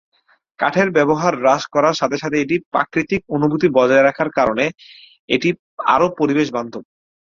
কাঠের ব্যবহার হ্রাস করার সাথে সাথে এটি প্রাকৃতিক অনুভূতি বজায় রাখার কারণে এটি আরও পরিবেশ বান্ধব।